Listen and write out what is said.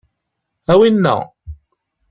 A winna!